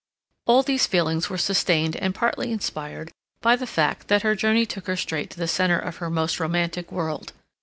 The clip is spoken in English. All these feelings were sustained and partly inspired by the fact that her journey took her straight to the center of her most romantic world.